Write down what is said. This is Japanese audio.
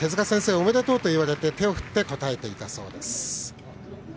おめでとういうと言われて手を振って応えていたそうです。